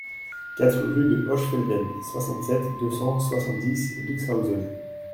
quatre rue de Hochfelden, soixante-sept, deux cent soixante-dix, Lixhausen